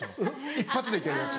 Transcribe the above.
一発で行けるやつ。